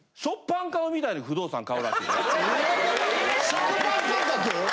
食パン感覚？